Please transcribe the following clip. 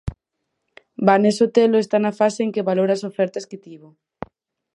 Vane Sotelo está na fase en que valora as ofertas que tivo.